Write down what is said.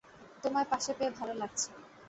তোমায় পাশে পেয়ে ভালো লাগছে।